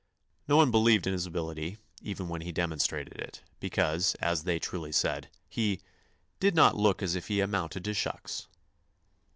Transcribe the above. No one believed in his ability, even when he demonstrated it; because, as they truly said, he "did not look as if he amounted to shucks."